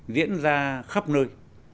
diễn ra khắp nơi